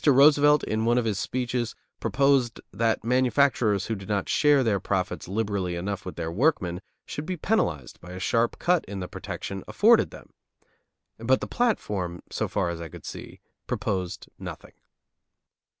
Roosevelt, in one of his speeches, proposed that manufacturers who did not share their profits liberally enough with their workmen should be penalized by a sharp cut in the "protection" afforded them; but the platform, so far as I could see, proposed nothing.